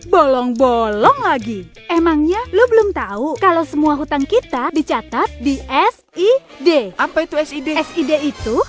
bolong bolong lagi emangnya lo belum tahu kalau semua hutang kita dicatat di sid apa itu sid sid itu